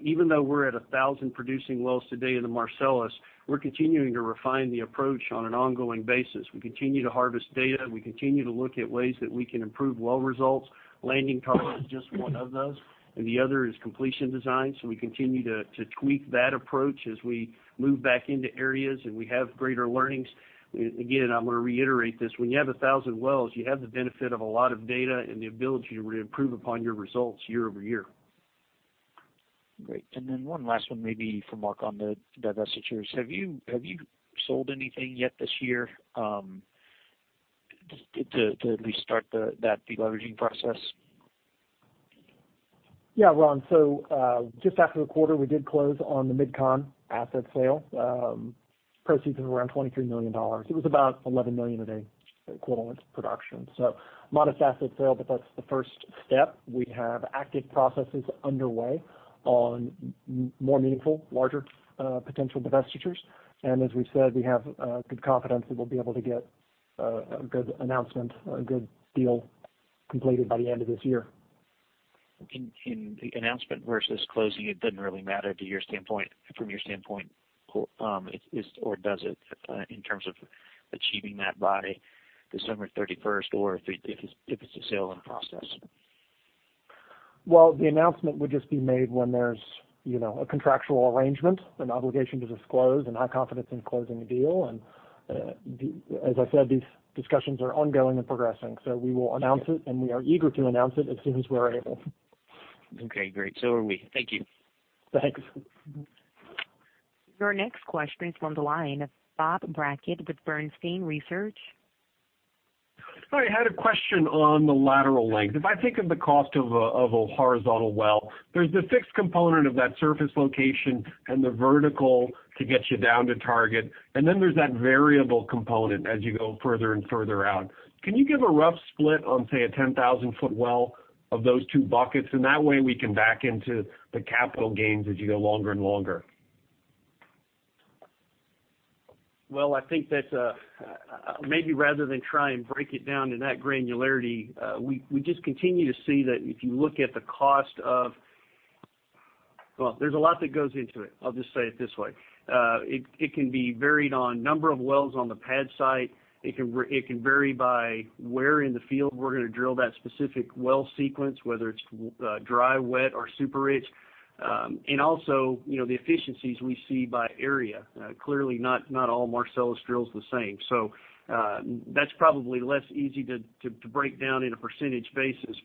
Even though we're at 1,000 producing wells today in the Marcellus, we're continuing to refine the approach on an ongoing basis. We continue to harvest data. We continue to look at ways that we can improve well results. Landing target is just one of those, and the other is completion design. We continue to tweak that approach as we move back into areas and we have greater learnings. Again, I'm going to reiterate this. When you have 1,000 wells, you have the benefit of a lot of data and the ability to really improve upon your results year-over-year. Great. Then one last one, maybe for Mark on the divestitures. Have you sold anything yet this year to at least start that de-leveraging process? Ron. Just after the quarter, we did close on the Mid-Continent asset sale. Proceeds of around $23 million. It was about $11 million of equivalent production. Modest asset sale, but that's the first step. We have active processes underway on more meaningful, larger potential divestitures. As we've said, we have good confidence that we'll be able to get a good announcement, a good deal completed by the end of this year. In the announcement versus closing, it doesn't really matter from your standpoint, or does it, in terms of achieving that by December 31st, or if it's a sale in process? Well, the announcement would just be made when there's a contractual arrangement, an obligation to disclose, and high confidence in closing the deal. As I said, these discussions are ongoing and progressing. We will announce it, and we are eager to announce it as soon as we are able. Okay, great. Are we. Thank you. Thanks. Your next question is from the line of Bob Brackett with Bernstein Research. Hi. I had a question on the lateral length. If I think of the cost of a horizontal well, there's the fixed component of that surface location and the vertical to get you down to target, and then there's that variable component as you go further and further out. Can you give a rough split on, say, a 10,000-foot well of those two buckets? That way, we can back into the capital gains as you go longer and longer. Well, I think that maybe rather than try and break it down to that granularity, we just continue to see that if you look at the cost of Well, there's a lot that goes into it. I'll just say it this way. It can be varied on number of wells on the pad site. It can vary by where in the field we're going to drill that specific well sequence, whether it's dry, wet, or super-rich. Also, the efficiencies we see by area. Clearly not all Marcellus drill's the same. That's probably less easy to break down in a percentage basis.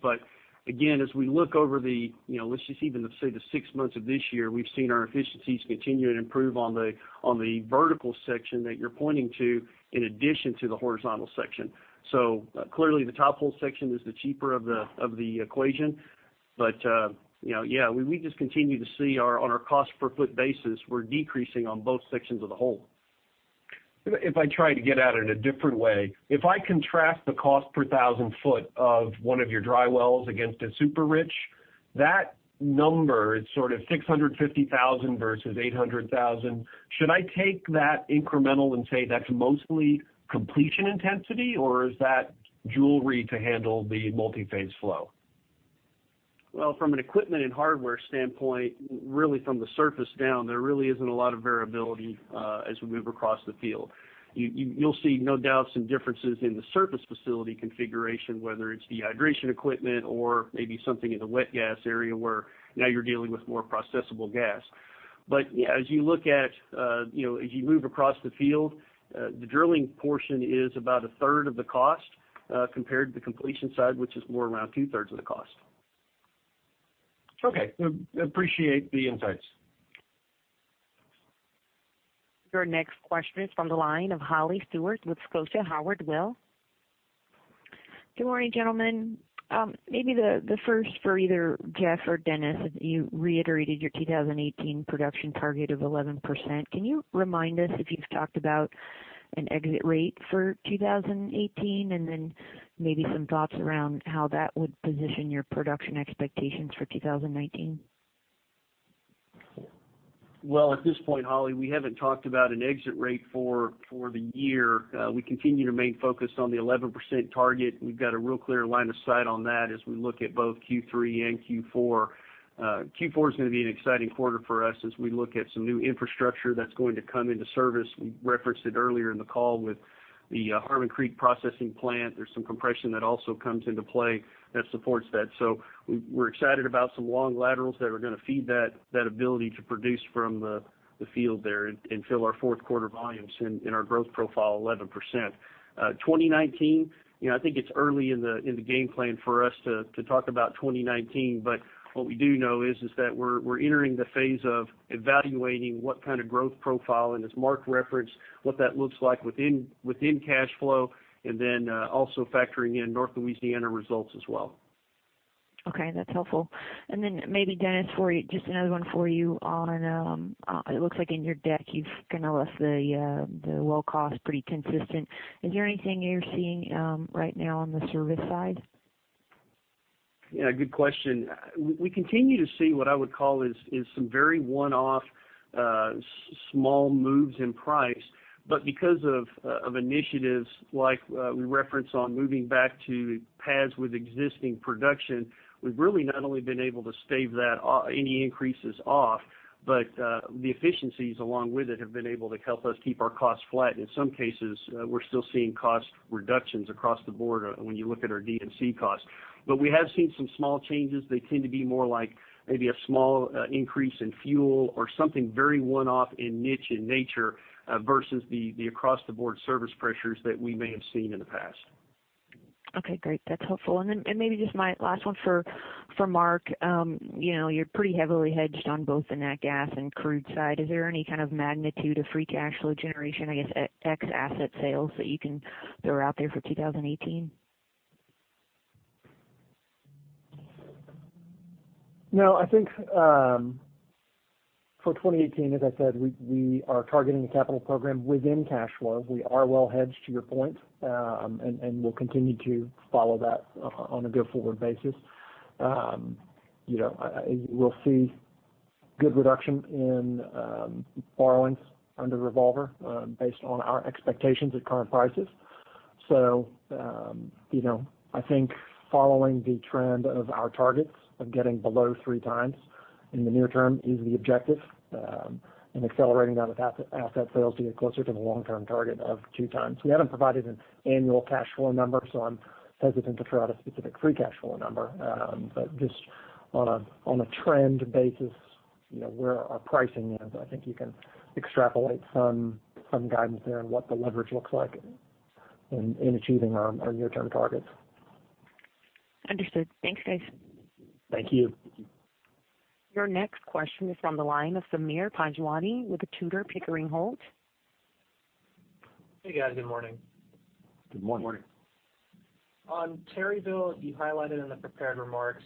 Again, as we look over the, let's just even say the 6 months of this year, we've seen our efficiencies continue to improve on the vertical section that you're pointing to, in addition to the horizontal section. Clearly the top hole section is the cheaper of the equation. Yeah, we just continue to see on our cost per foot basis, we're decreasing on both sections of the hole. If I try to get at it in a different way, if I contrast the cost per 1,000 foot of one of your dry wells against a super-rich, that number is sort of $650,000 versus $800,000. Should I take that incremental and say that's mostly completion intensity, or is that jewelry to handle the multi-phase flow? Well, from an equipment and hardware standpoint, really from the surface down, there really isn't a lot of variability as we move across the field. You'll see, no doubt, some differences in the surface facility configuration, whether it's dehydration equipment or maybe something in the wet gas area where now you're dealing with more processable gas. As you move across the field, the drilling portion is about a third of the cost compared to the completion side, which is more around two-thirds of the cost. Okay. Appreciate the insights. Your next question is from the line of Holly Stewart with Scotiabank Howard Weil. Good morning, gentlemen. Maybe the first for either Jeff or Dennis. You reiterated your 2018 production target of 11%. Can you remind us if you've talked about an exit rate for 2018, and then maybe some thoughts around how that would position your production expectations for 2019? Well, at this point, Holly, we haven't talked about an exit rate for the year. We continue to remain focused on the 11% target. We've got a real clear line of sight on that as we look at both Q3 and Q4. Q4 is going to be an exciting quarter for us as we look at some new infrastructure that's going to come into service. We referenced it earlier in the call with the Harmon Creek processing plant. There's some compression that also comes into play that supports that. We're excited about some long laterals that are going to feed that ability to produce from the field there and fill our fourth quarter volumes in our growth profile 11%. 2019, I think it's early in the game plan for us to talk about 2019. What we do know is that we're entering the phase of evaluating what kind of growth profile, and as Mark referenced, what that looks like within cash flow, and also factoring in North Louisiana results as well. Okay. That's helpful. Maybe Dennis, just another one for you, it looks like in your deck, you've left the well cost pretty consistent. Is there anything you're seeing right now on the service side? Yeah, good question. We continue to see what I would call is some very one-off small moves in price. Because of initiatives like we referenced on moving back to pads with existing production, we've really not only been able to stave any increases off, but the efficiencies along with it have been able to help us keep our costs flat. In some cases, we're still seeing cost reductions across the board when you look at our D&C costs. We have seen some small changes. They tend to be more like maybe a small increase in fuel or something very one-off and niche in nature versus the across-the-board service pressures that we may have seen in the past. Okay, great. That's helpful. Then maybe just my last one for Mark. You're pretty heavily hedged on both the nat gas and crude side. Is there any kind of magnitude of free cash flow generation, I guess, ex asset sales that you can throw out there for 2018? I think for 2018, as I said, we are targeting a capital program within cash flow. We are well hedged to your point, and we'll continue to follow that on a go-forward basis. We'll see good reduction in borrowings under revolver based on our expectations at current prices. I think following the trend of our targets of getting below three times in the near term is the objective, and accelerating down the asset sales to get closer to the long-term target of two times. We haven't provided an annual cash flow number, so I'm hesitant to throw out a specific free cash flow number. Just on a trend basis, where our pricing is, I think you can extrapolate some guidance there on what the leverage looks like in achieving our near-term targets. Understood. Thanks, guys. Thank you. Your next question is from the line of Sameer Panjwani with Tudor, Pickering Holt. Hey, guys. Good morning. Good morning. Good morning. On Terryville, you highlighted in the prepared remarks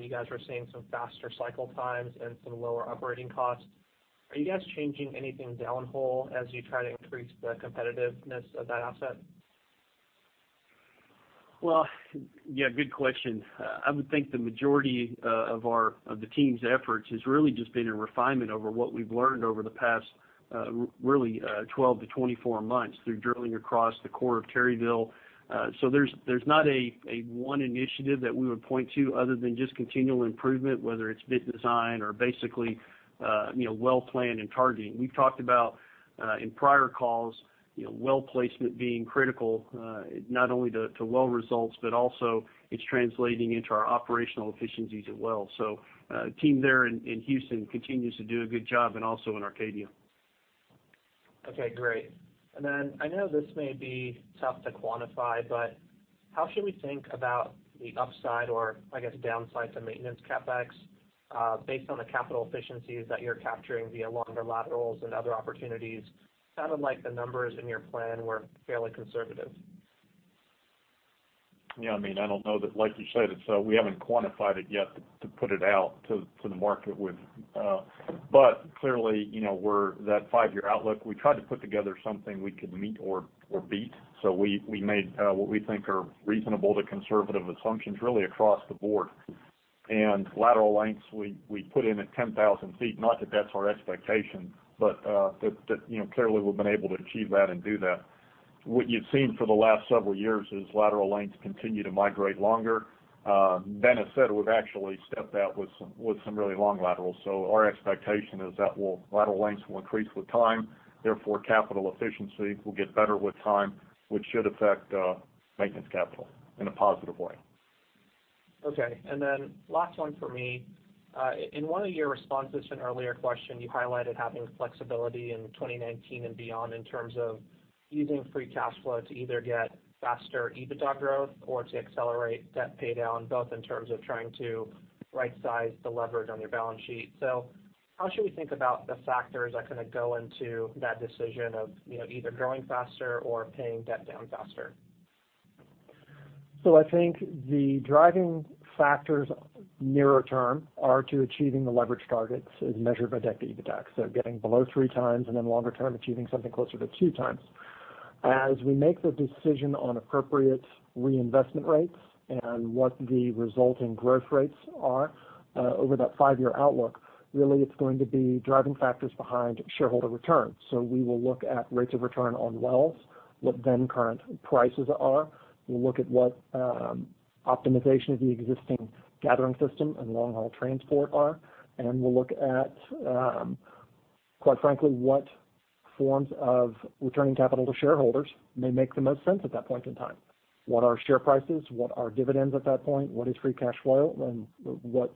you guys were seeing some faster cycle times and some lower operating costs. Are you guys changing anything down hole as you try to increase the competitiveness of that asset? Well, good question. I would think the majority of the team's efforts has really just been a refinement over what we've learned over the past really 12-24 months through drilling across the core of Terryville. There's not a one initiative that we would point to other than just continual improvement, whether it's bit design or basically well plan and targeting. We've talked about, in prior calls, well placement being critical not only to well results, but also it's translating into our operational efficiencies as well. The team there in Houston continues to do a good job and also in Arcadia. Okay, great. I know this may be tough to quantify, but how should we think about the upside or I guess downside to maintenance CapEx based on the capital efficiencies that you're capturing via longer laterals and other opportunities? Sounded like the numbers in your plan were fairly conservative. I don't know that, like you said, we haven't quantified it yet to put it out to the market. But clearly, that five-year outlook, we tried to put together something we could meet or beat. So we made what we think are reasonable to conservative assumptions really across the board. Lateral lengths, we put in at 10,000 feet, not that that's our expectation, but that clearly we've been able to achieve that and do that. What you've seen for the last several years is lateral lengths continue to migrate longer. Ben has said we've actually stepped out with some really long laterals. So our expectation is that lateral lengths will increase with time, therefore, capital efficiency will get better with time, which should affect maintenance capital in a positive way. Okay. Last one for me. In one of your responses to an earlier question, you highlighted having flexibility in 2019 and beyond in terms of using free cash flow to either get faster EBITDA growth or to accelerate debt paydown, both in terms of trying to right-size the leverage on your balance sheet. So how should we think about the factors that go into that decision of either growing faster or paying debt down faster? I think the driving factors nearer term are to achieving the leverage targets as measured by debt to EBITDA. Getting below 3 times and then longer term, achieving something closer to 2 times. As we make the decision on appropriate reinvestment rates and what the resulting growth rates are over that five-year outlook, really, it's going to be driving factors behind shareholder returns. We will look at rates of return on wells, what then-current prices are. We'll look at what optimization of the existing gathering system and long-haul transport are, and we'll look at, quite frankly, what forms of returning capital to shareholders may make the most sense at that point in time. What are share prices? What are dividends at that point? What is free cash flow and what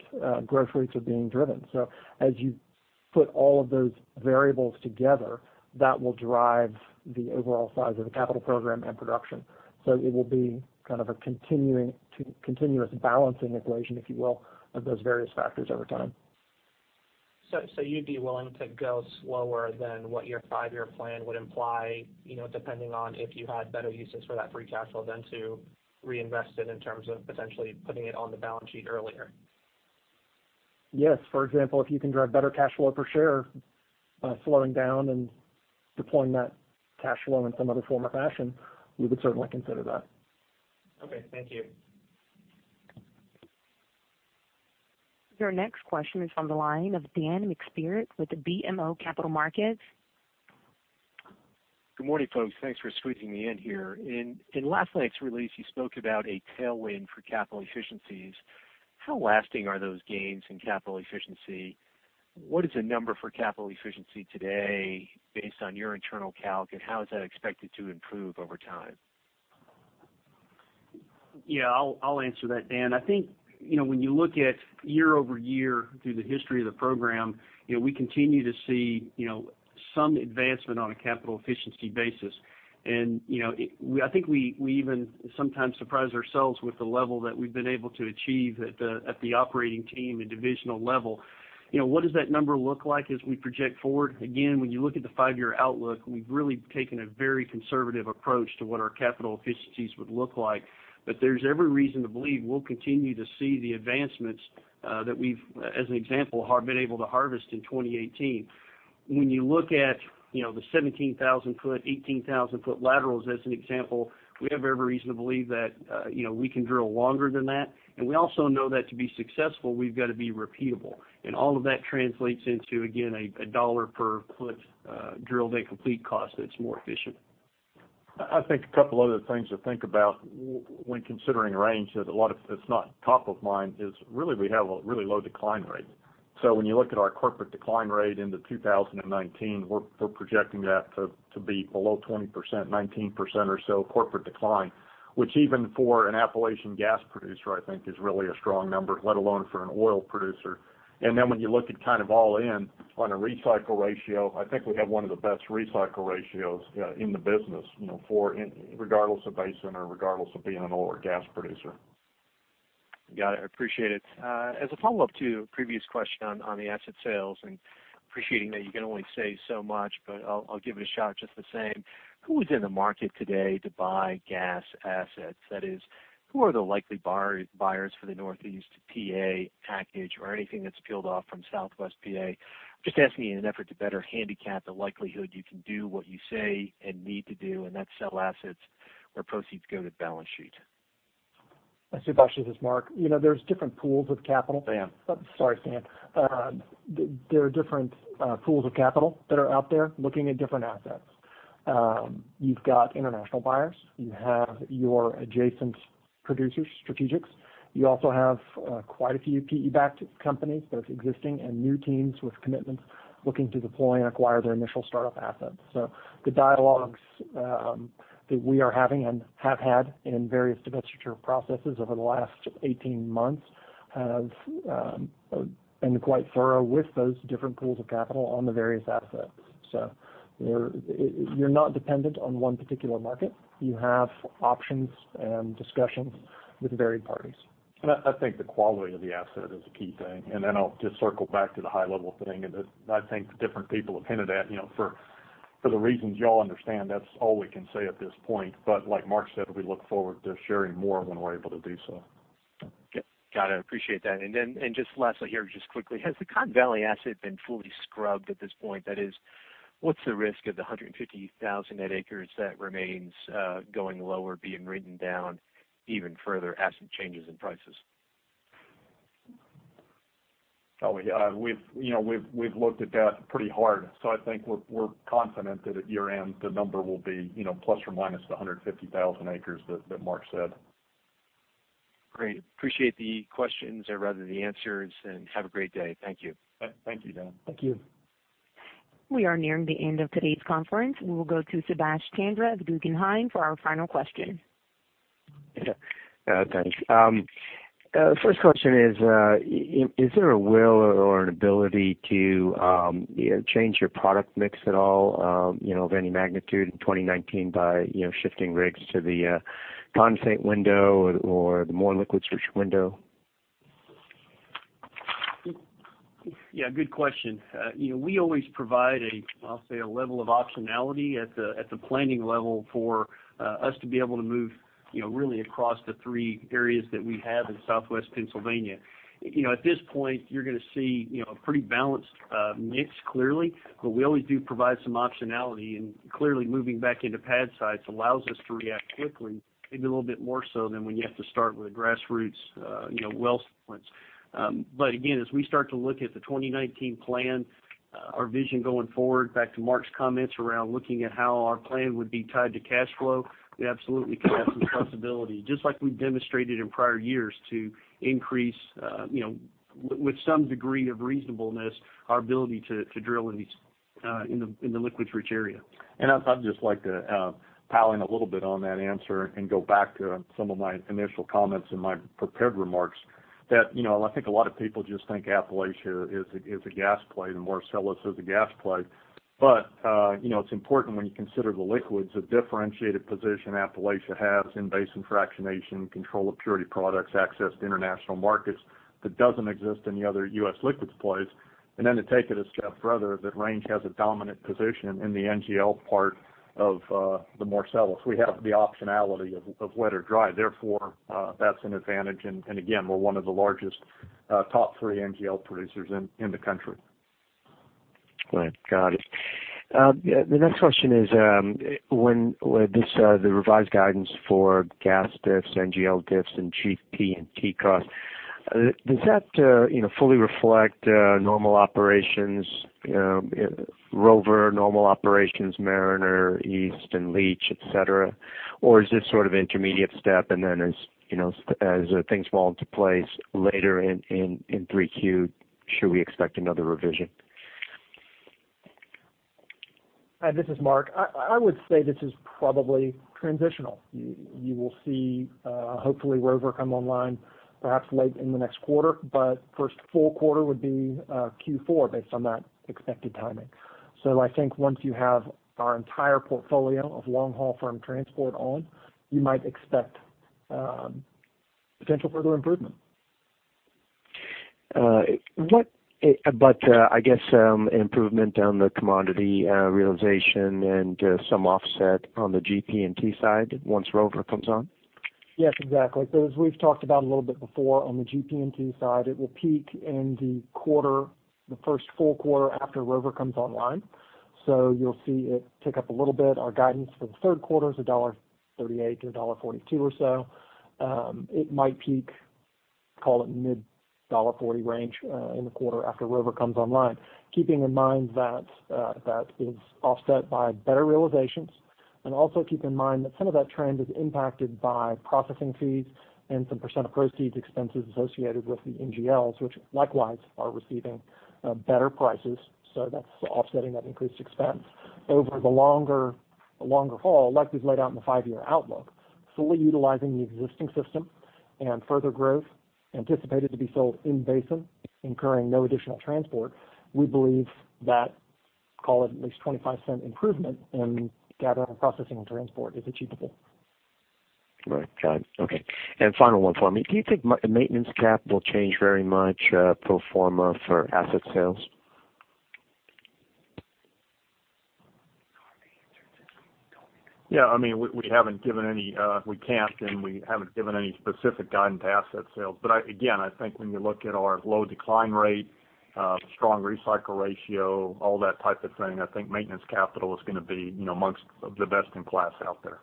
growth rates are being driven? As you put all of those variables together, that will drive the overall size of the capital program and production. It will be kind of a continuous balancing equation, if you will, of those various factors over time. You'd be willing to go slower than what your five-year plan would imply, depending on if you had better uses for that free cash flow than to reinvest it in terms of potentially putting it on the balance sheet earlier? Yes. For example, if you can drive better cash flow per share by slowing down and deploying that cash flow in some other form or fashion, we would certainly consider that. Okay. Thank you. Your next question is on the line of Dan McSpirit with BMO Capital Markets. Good morning, folks. Thanks for squeezing me in here. In last night's release, you spoke about a tailwind for capital efficiencies. How lasting are those gains in capital efficiency? What is the number for capital efficiency today based on your internal calc, and how is that expected to improve over time? Yeah, I'll answer that, Dan. I think, when you look at year-over-year through the history of the program, we continue to see some advancement on a capital efficiency basis. I think we even sometimes surprise ourselves with the level that we've been able to achieve at the operating team and divisional level. What does that number look like as we project forward? Again, when you look at the five-year outlook, we've really taken a very conservative approach to what our capital efficiencies would look like. There's every reason to believe we'll continue to see the advancements that we've, as an example, been able to harvest in 2018. When you look at the 17,000 foot, 18,000 foot laterals as an example, we have every reason to believe that we can drill longer than that. We also know that to be successful, we've got to be repeatable. All of that translates into, again, a $1 per foot drilling and completion cost per foot cost that's more efficient. I think a couple other things to think about when considering Range that's not top of mind is really we have a really low decline rate. When you look at our corporate decline rate into 2019, we're projecting that to be below 20%, 19% or so corporate decline, which even for an Appalachian gas producer, I think is really a strong number, let alone for an oil producer. When you look at all in on a recycle ratio, I think we have one of the best recycle ratios in the business, regardless of basin or regardless of being an oil or gas producer. Got it. Appreciate it. As a follow-up to a previous question on the asset sales, and appreciating that you can only say so much, but I'll give it a shot just the same. Who is in the market today to buy gas assets? That is, who are the likely buyers for the Northeast P.A. package or anything that's peeled off from Southwest P.A.? Just asking in an effort to better handicap the likelihood you can do what you say and need to do, and that's sell assets where proceeds go to balance sheet. This is Mark. There's different pools of capital. Dan. Sorry, Dan. There are different pools of capital that are out there looking at different assets. You've got international buyers. You have your adjacent producers, strategics. You also have quite a few PE-backed companies, both existing and new teams with commitments looking to deploy and acquire their initial start-up assets. The dialogues that we are having and have had in various divestiture processes over the last 18 months have been quite thorough with those different pools of capital on the various assets. You're not dependent on one particular market. You have options and discussions with varied parties. I think the quality of the asset is a key thing. Then I'll just circle back to the high-level thing, and I think different people have hinted at, for the reasons you all understand, that's all we can say at this point. Like Mark said, we look forward to sharing more when we're able to do so. Okay. Got it. Appreciate that. Then, just lastly here, just quickly, has the Cotton Valley asset been fully scrubbed at this point? That is, what's the risk of the 150,000 net acres that remains going lower, being written down even further as it changes in prices? Oh, yeah. We've looked at that pretty hard. I think we're confident that at year-end, the number will be plus or minus the 150,000 acres that Mark said. Great. Appreciate the questions, or rather the answers, and have a great day. Thank you. Thank you, Dan. Thank you. We are nearing the end of today's conference. We will go to Subash Chandra of Guggenheim for our final question. Thanks. First question is: Is there a will or an ability to change your product mix at all of any magnitude in 2019 by shifting rigs to the condensate window or the more liquids-rich window? Yeah, good question. We always provide, I'll say, a level of optionality at the planning level for us to be able to move really across the three areas that we have in Southwest Pennsylvania. At this point, you're going to see a pretty balanced mix, clearly. We always do provide some optionality, and clearly moving back into pad sites allows us to react quickly, maybe a little bit more so than when you have to start with grassroots well points. Again, as we start to look at the 2019 plan, our vision going forward, back to Mark's comments around looking at how our plan would be tied to cash flow, we absolutely could have some possibility. Just like we've demonstrated in prior years to increase, with some degree of reasonableness, our ability to drill in the liquids-rich area. I'd just like to pile in a little bit on that answer and go back to some of my initial comments in my prepared remarks that I think a lot of people just think Appalachia is a gas play, the Marcellus is a gas play. It's important when you consider the liquids, the differentiated position Appalachia has in basin fractionation, control of purity products, access to international markets that doesn't exist in the other U.S. liquids plays. Then to take it a step further, that Range has a dominant position in the NGL part of the Marcellus. We have the optionality of wet or dry. Therefore, that's an advantage. Again, we're one of the largest top three NGL producers in the country. Right. Got it. The next question is: With the revised guidance for gas diffs, NGL diffs, and GP&T costs, does that fully reflect normal operations Rover, normal operations Mariner East and Leach, et cetera? Is this sort of intermediate step and then as things fall into place later in three Q, should we expect another revision? This is Mark. I would say this is probably transitional. You will see, hopefully, Rover come online perhaps late in the next quarter, but first full quarter would be Q4 based on that expected timing. I think once you have our entire portfolio of long-haul firm transport on, you might expect potential further improvement. I guess improvement on the commodity realization and some offset on the GP&T side once Rover comes on? Yes, exactly. As we've talked about a little bit before on the GP&T side, it will peak in the first full quarter after Rover comes online. You'll see it tick up a little bit. Our guidance for the third quarter is $1.38-$1.42 or so. It might peak, call it mid $1.40 range in the quarter after Rover comes online. Keeping in mind that is offset by better realizations, and also keep in mind that some of that trend is impacted by processing fees and some % of proceeds expenses associated with the NGLs, which likewise are receiving better prices. That's offsetting that increased expense. Over the longer haul, like we've laid out in the five-year outlook, fully utilizing the existing system and further growth anticipated to be sold in-basin, incurring no additional transport, we believe that, call it at least 25% improvement in gathering, processing, and transport is achievable. Right. Got it. Okay. Final one for me. Do you think maintenance capital change very much pro forma for asset sales? Yeah. We can't, and we haven't given any specific guidance to asset sales. Again, I think when you look at our low decline rate, strong recycle ratio, all that type of thing, I think maintenance capital is going to be amongst the best in class out there.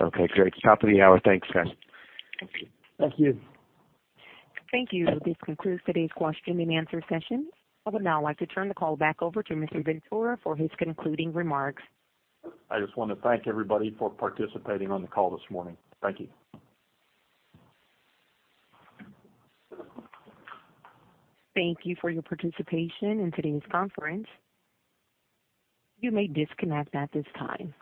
Okay, great. Top of the hour. Thanks, guys. Thank you. Thank you. Thank you. This concludes today's question and answer session. I would now like to turn the call back over to Mr. Ventura for his concluding remarks. I just want to thank everybody for participating on the call this morning. Thank you. Thank you for your participation in today's conference. You may disconnect at this time.